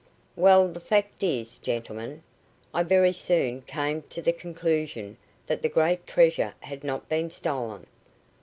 "Well, the fact is, gentlemen, I very soon came to the conclusion that the great treasure had not been stolen."